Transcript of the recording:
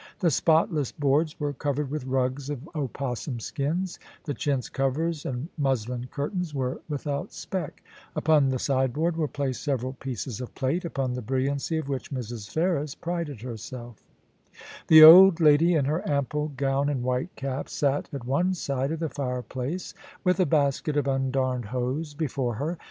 The spotless boards were covered with rugs of opossum skins ; the chintz covers and muslin curtains were without speck ; upon the sideboard were placed several pieces of plate, upon the brilliancy of which Mrs. Ferris prided herself The old lady, in her ample gown and white cap, sat at one side of the fireplace with a basket of undamed hose before her.